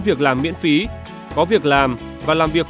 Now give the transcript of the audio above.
việc làm miễn phí có việc làm và làm việc